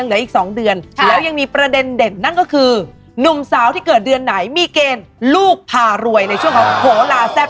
แล้วยังมีประเด็นเด่นนั่นก็คือนุ่มสาวที่เกิดเดือนไหนมีเกณฑ์ลูกพารวยในช่วงของโผล่าแซ่บ